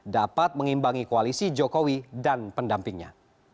dapat mengimbangi koalisi jokowi dan pendampingnya